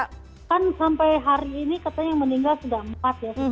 kan sampai hari ini katanya yang meninggal sudah empat ya